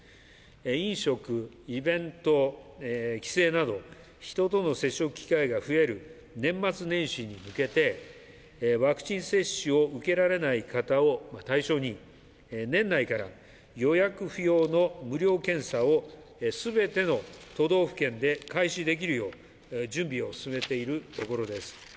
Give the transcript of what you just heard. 飲食、イベント、帰省など人との接触機会が増える年末年始に向けてワクチン接種を受けられない方を対象に年内から予約不要の無料検査を全ての都道府県で開始できるよう準備を進めているところです。